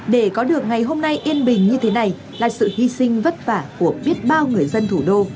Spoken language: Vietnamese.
để có được ngày hôm nay yên bình như thế này là sự hy sinh vất vả của biết bao người dân thủ đô